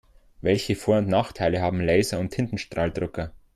Welche Vor- und Nachteile haben Laser- und Tintenstrahldrucker?